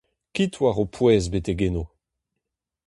Kit war ho pouez betek eno.